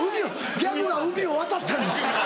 ギャグが海を渡ったんです。